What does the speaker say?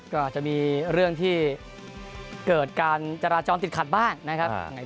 ก็อาจจะมีเรื่องที่เกิดการจราจรติดขัดบ้างนะครับ